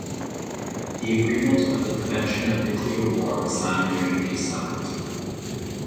The Agreement on the Prevention of Nuclear War was signed during the summit.